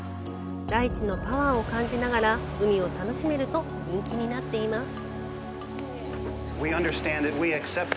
大地のパワーを感じながら海を楽しめると人気になっています。